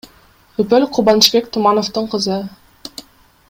Үпөл — Кубанычбек Тумановдун кызы.